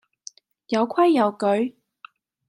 有規有矩